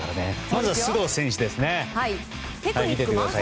まずは須藤選手ですね。